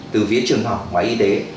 từ phía trường học và y tế